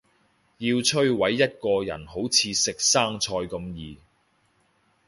要摧毁一個人好似食生菜咁易